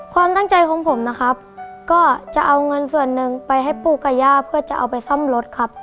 ความตั้งใจของผมนะครับก็จะเอาเงินส่วนหนึ่งไปให้ปู่กับย่าเพื่อจะเอาไปซ่อมรถครับ